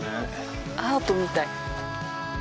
アートみたい。